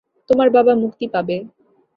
তোমার বাবা মুক্তি পাবে।